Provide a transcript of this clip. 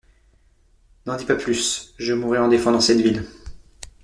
N'en dis pas plus, je mourrai en défendant cette ville.